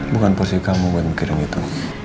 bukan posisi kamu buat kirim itu